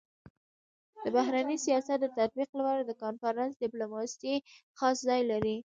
د بهرني سیاست د تطبيق لپاره د کنفرانس ډيپلوماسي خاص ځای لري.